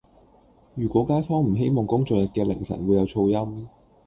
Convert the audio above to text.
如果街坊唔希望工作日嘅凌晨會有噪音